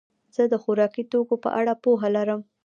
زه د خوراکي توکو په اړه پوهه لرم.